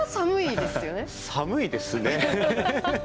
寒いですね。